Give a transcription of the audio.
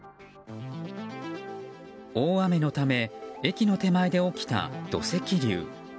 大雨のため駅の手前で起きた土石流。